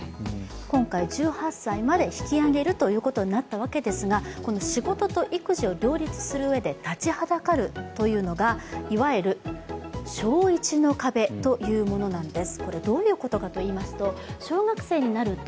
今回、１８歳まで引き上げるということになったわけですが仕事と育児を両立するうえで立ちはだかるというのがいわゆる小１の壁というものなんです。